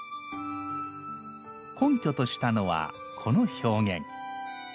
根拠としたのはこの表現。